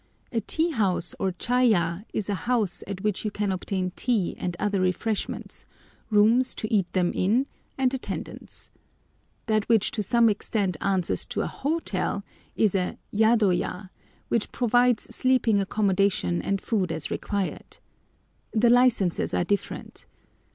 A tea house or chaya is a house at which you can obtain tea and other refreshments, rooms to eat them in, and attendance. That which to some extent answers to an hotel is a yadoya, which provides sleeping accommodation and food as required. The licenses are different.